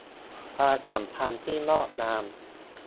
ความสัมพันธ์ที่งอกงาม